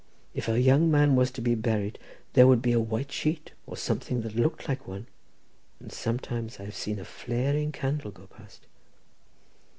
If a young man was to be buried there would be a white sheet, or something that looked like one—and sometimes I have seen a flaring candle going past.